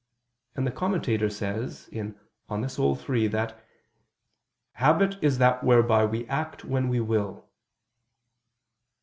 And the Commentator says (De Anima iii) that "habit is that whereby we act when we will."